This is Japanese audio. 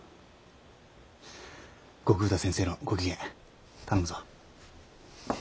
後工田先生のご機嫌頼むぞ。